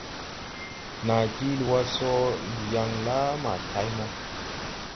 Naa jiili wá sɔ ndi yaŋ la ma kay mo.